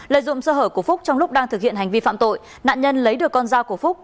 lợi dụng sơ hở của phúc trong lúc đang thực hiện hành vi phạm tội nạn nhân lấy được con dao của phúc